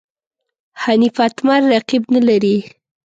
حنیف اتمر رقیب نه لري.